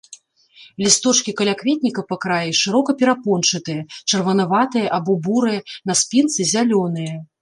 Лісточкі калякветніка па краі шырока перапончатыя, чырванаватыя або бурыя, на спінцы зялёныя.